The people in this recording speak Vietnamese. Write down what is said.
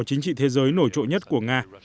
chính trị thế giới nổi trộn nhất của nga